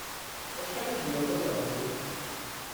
Acḥal i tzemrem ad taṛǧum?